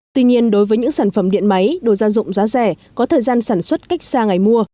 tuy nhiên đối với những sản phẩm điện máy đồ gia dụng giá rẻ có thời gian sản xuất cách xa ngày mua